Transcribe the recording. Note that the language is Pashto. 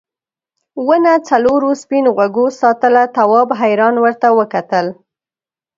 ونه څلورو سپین غوږو ساتله تواب حیران ورته وکتل.